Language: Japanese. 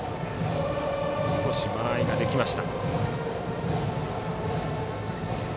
少し間合いができました。